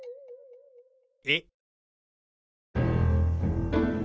え？